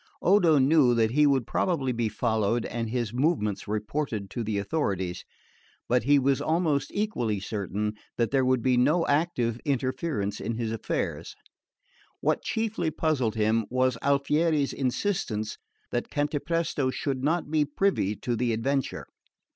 Odo knew that he would probably be followed and his movements reported to the authorities; but he was almost equally certain that there would be no active interference in his affairs. What chiefly puzzled him was Alfieri's insistence that Cantapresto should not be privy to the adventure.